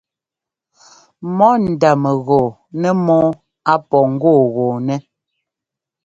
Mɔ ndá mɛgɔɔ nɛ mɔ́ɔ á pɔ́ ŋgɔɔgɔɔnɛ́.